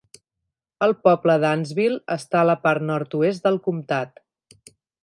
El poble d'Annsville està a la part nord-oest del comtat.